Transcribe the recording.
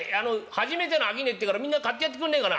初めての商えってからみんな買ってやってくんねえかな。